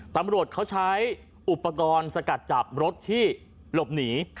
ตำรวจเขาใช้อุปกรณ์สกัดจับรถที่หลบหนี